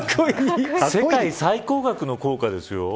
世界最高額の硬貨ですよ。